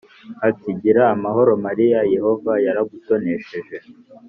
ati gira amahoro Mariya Yehova yaragutonesheje